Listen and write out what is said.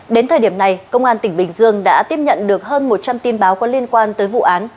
đến thời điểm này công an tỉnh bình dương đã tiếp nhận được hơn một trăm linh tin báo có liên quan tới vụ án